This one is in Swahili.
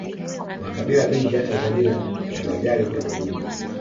makabila mengi ya tanzania yanajali utamaduni